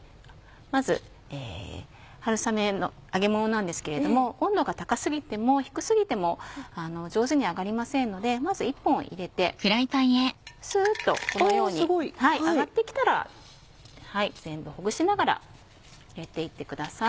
まず春雨の揚げ物なんですけれども温度が高過ぎても低過ぎても上手に揚がりませんのでまず１本入れてスっとこのように揚がってきたら全部ほぐしながら入れていってください。